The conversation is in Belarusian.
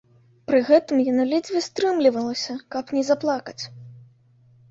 Пры гэтым яна ледзьве стрымлівалася, каб не заплакаць.